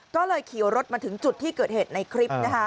ก็เลยขี่รถมาถึงจุดที่เกิดเหตุในคลิป